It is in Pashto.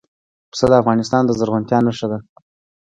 پسه د افغانستان د زرغونتیا نښه ده.